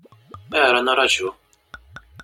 Ayɣer ad nraju?